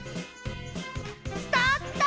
スタート！